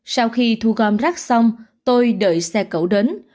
sau khi thu gom rác xong tôi đợi xe cẩu đến